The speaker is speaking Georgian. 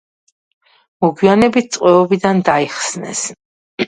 მოგვიანებით ტყვეობიდან დაიხსნეს.